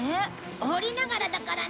掘りながらだからね。